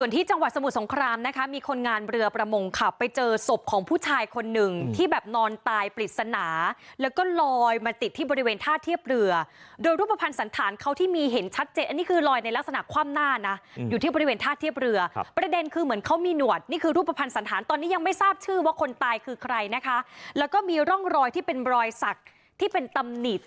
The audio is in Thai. ส่วนที่จังหวัดสมุทรสงครามนะคะมีคนงานเรือประมงขับไปเจอศพของผู้ชายคนนึงที่แบบนอนตายปริศนาแล้วก็ลอยมาติดที่บริเวณท่าเทียบเรือโดยรูปภัณฑ์สันธารเขาที่มีเห็นชัดเจนอันนี้คือลอยในลักษณะคว่ำหน้านะอยู่ที่บริเวณท่าเทียบเรือประเด็นคือเหมือนเขามีหนวดนี่คือรูปภัณฑ์สันธารตอนน